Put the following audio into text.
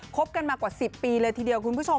บกันมากว่า๑๐ปีเลยทีเดียวคุณผู้ชม